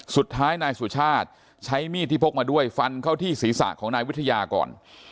สุดท้ายนายสุชาติใช้มีดที่พกมาด้วยฟันเข้าที่ศีรษะของนายวิทยาก่อน